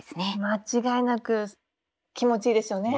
間違いなく気持ちいいでしょうね。